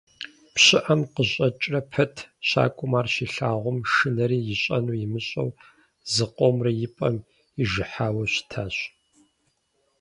ПщыӀэм къыщӀэкӀрэ пэт щакӀуэм ар щилъагъум, шынэри ищӀэнур имыщӀэу зыкъомрэ и пӏэм ижыхьауэ щытащ.